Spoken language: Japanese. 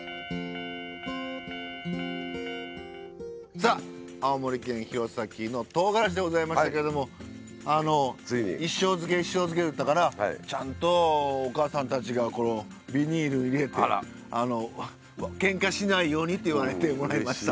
さあ青森県弘前のとうがらしでございましたけれども一升漬け一升漬け言ったからちゃんとおかあさんたちがこのビニール入れて「けんかしないように」って言われてもらいました。